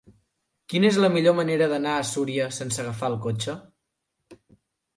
Quina és la millor manera d'anar a Súria sense agafar el cotxe?